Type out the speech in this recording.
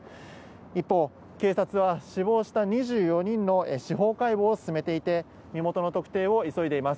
一方、警察は死亡した２４人の司法解剖を進めていて、身元の特定を急いでいます。